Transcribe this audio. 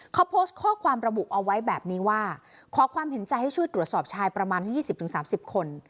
เขาโพสต์ข้อความระบุเอาไว้แบบนี้ว่าขอความเห็นใจให้ช่วยตรวจสอบชายประมาณสัก๒๐๓๐คน